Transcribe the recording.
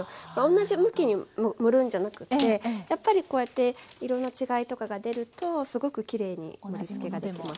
同じ向きに盛るんじゃなくてやっぱりこうやって色の違いとかが出るとすごくきれいに盛りつけができます。